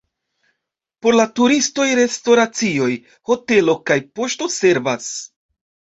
Por la turistoj restoracioj, hotelo kaj poŝto servas.